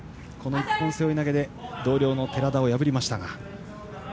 一本背負い投げで同僚の寺田を破りましたが。